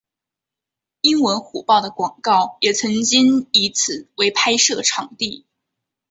英文虎报的广告也曾经以此为拍摄场地。